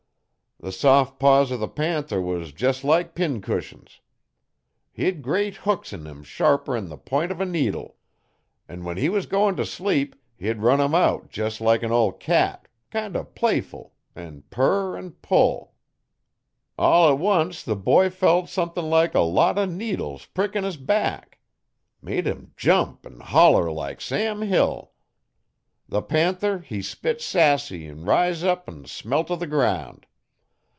The sof paws o' the panther was jes' like pincushions. He'd great hooks in 'em sharper 'n the p'int uv a needle. An' when he was goin' t' sleep he'd run 'em out jes' like an ol' cat kind o' playfull 'n purr 'n pull. All t' once the boy felt sumthin' like a lot o' needles prickin' his back. Made him jump 'n holler like Sam Hill. The panther he spit sassy 'n riz up 'n smelt o' the ground.